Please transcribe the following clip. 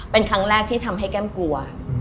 เป็นครั้งแรกที่ทำให้แก้มกลัว